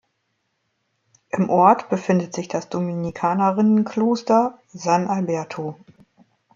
Im Ort befindet sich das Dominikanerinnen-Kloster San Alberto.